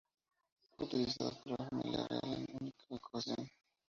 Fue utilizado por la familia real en una única ocasión.